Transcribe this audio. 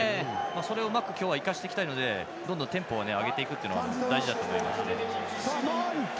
それをうまく今日は生かしていきたいのでどんどんテンポを上げていくのは大事だと思いますね。